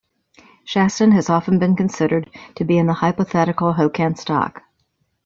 Shastan has often been considered to be in the hypothetical Hokan stock.